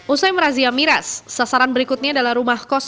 usai merazia miras sasaran berikutnya adalah rumah kos